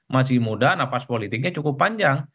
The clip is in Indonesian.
masih muda nafas politiknya cukup panjang